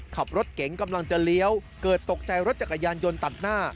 ขับรถเก๋งกำลังจะเลี้ยวเกิดตกใจรถจักรยานยนต์ตัดหน้า